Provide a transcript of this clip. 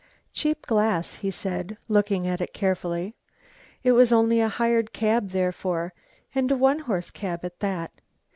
"Cheap glass," he said, looking at it carefully. "It was only a hired cab, therefore, and a one horse cab at that."